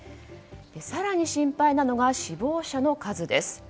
更に心配なのが死亡者の数です。